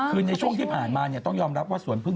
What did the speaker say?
คือในช่วงที่ผ่านมาเนี่ยต้องยอมรับว่าสวนพึ่ง